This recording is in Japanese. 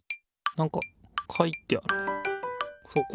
なんか書いてある。